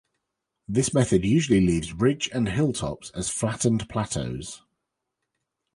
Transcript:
This method usually leaves ridge and hill tops as flattened plateaus.